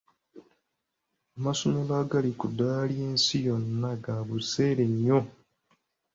Amasomero agali ku ddaala ly'ensi yonna ga buseere nnyo.